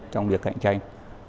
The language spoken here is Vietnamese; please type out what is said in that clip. trong việc cạnh tranh